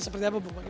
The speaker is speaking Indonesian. seperti apa bu